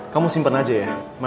kamu simpen aja ya